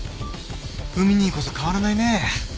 海兄こそ変わらないね。